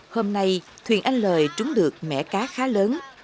hôm nay thuyền anh lời trúng được mẻ cá khá lớn